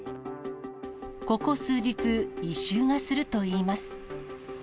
ここ数日、異臭がするといいます。